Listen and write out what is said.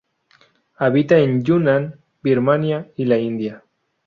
Habita en Yunnan, Birmania y la India.